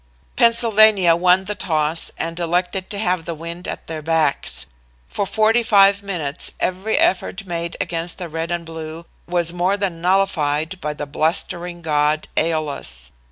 "Pennsylvania won the toss and elected to have the wind at their backs. For forty five minutes every effort made against the Red and Blue was more than nullified by the blustering god Æolus.